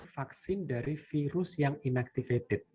vaksin dari virus yang inactivated